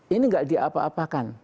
ini nggak diapa apakan